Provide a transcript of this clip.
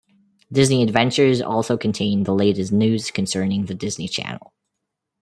"Disney Adventures" also contained the latest news concerning the Disney Channel.